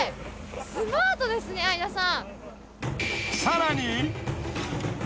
スマートですね相田さん。